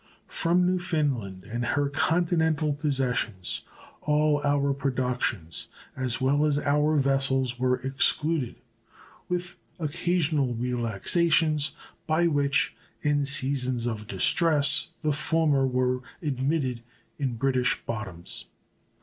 From Newfoundland and her continental possessions all our productions, as well as our vessels, were excluded, with occasional relaxations, by which, in seasons of distress, the former were admitted in British bottoms.